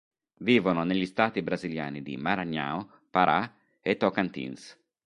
Vivono negli stati brasiliani di Maranhão, Pará e Tocantins.